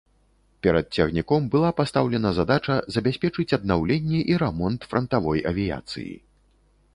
Перад цягніком была пастаўлена задача забяспечыць аднаўленне і рамонт франтавой авіяцыі.